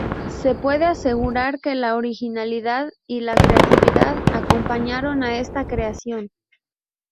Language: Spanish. Se puede asegurar que la originalidad y la creatividad acompañaron a esta creación.